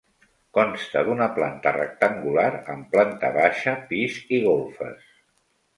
Consta d'una planta rectangular amb planta baixa, pis i golfes.